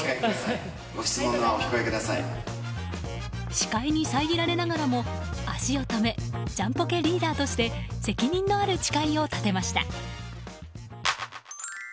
司会に遮られながらも足を止めジャンポケリーダーとして責任のある誓いを立てました。